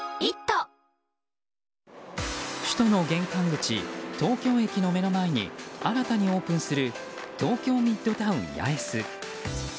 首都の玄関口東京駅の目の前に新たにオープンする東京ミッドタウン八重洲。